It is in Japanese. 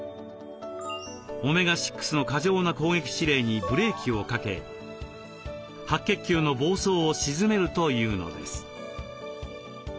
オメガ６の過剰な攻撃指令にブレーキをかけ白血球の暴走を鎮めるというのです。